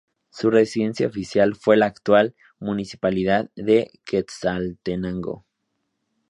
Su residencia oficial fue la actual Municipalidad de Quetzaltenango.